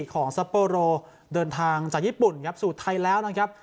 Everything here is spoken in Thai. ซัปโปโรเดินทางจากญี่ปุ่นครับสู่ไทยแล้วนะครับ